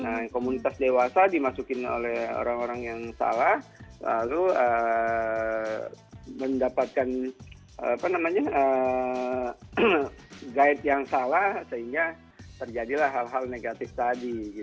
nah komunitas dewasa dimasukin oleh orang orang yang salah lalu mendapatkan guide yang salah sehingga terjadilah hal hal negatif tadi